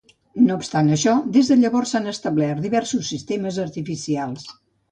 No obstant això, des de llavors s'han establert diversos sistemes artificials.